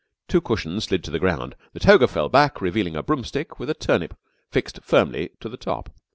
Two cushions slid to the ground, the toga fell back, revealing a broomstick with a turnip fixed firmly to the top.